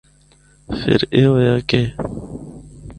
فر اے ہویا کہ